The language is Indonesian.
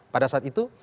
pada saat itu